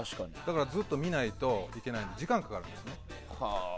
ずっと見ないといけないので時間がかかるんですね。